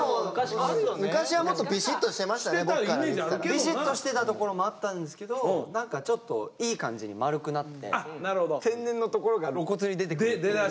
ビシッとしてたところもあったんですけど何かちょっといい感じに丸くなって天然のところが露骨に出てくるように。